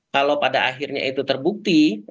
kalau pada akhirnya itu terbukti